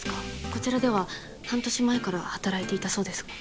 こちらでは半年前から働いていたそうですが。